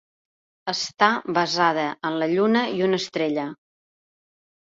Està basada en la lluna i una estrella.